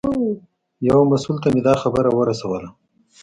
یو مسوول ته مې دا خبره ورسوله.